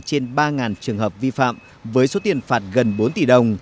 trên ba trường hợp vi phạm với số tiền phạt gần bốn tỷ đồng